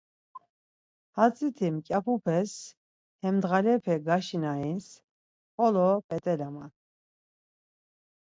Hatziti mǩyapupes hem ndğalepe gaşinanis xolo p̌et̆elaman.